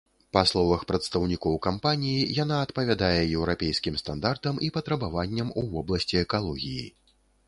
Па словах прадстаўнікоў кампаніі, яна адпавядае еўрапейскім стандартам і патрабаванням у вобласці экалогіі.